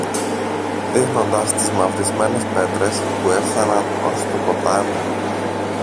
δείχνοντας τις μαυρισμένες πέτρες που έφθαναν ως το ποτάμι.